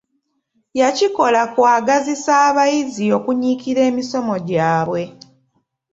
Yakikola kwagazisa abayizi okunyikirira emisomo gyabwe.